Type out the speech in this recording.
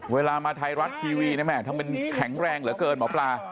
เวลามาไทยรัฐทีวีนะแม่ทำเป็นแข็งแรงเหลือเกินหมอปลา